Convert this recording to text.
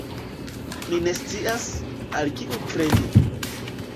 Ni ne scias, al kiu kredi.